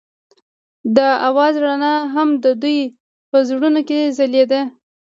د اواز رڼا هم د دوی په زړونو کې ځلېده.